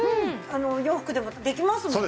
洋服でもできますもんね。